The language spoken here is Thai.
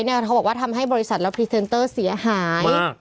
เขาบอกว่าทำให้บริษัทและพรีเซนเตอร์เสียหาย